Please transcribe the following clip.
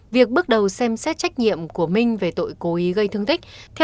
việc bước đầu xem xét trách nhiệm của minh về tội cố ý gây thương tích